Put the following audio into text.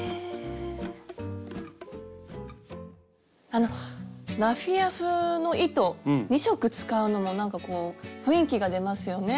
あのラフィア風の糸２色使うのもなんかこう雰囲気が出ますよね。